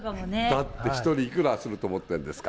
だって１人いくらすると思ってるんですか。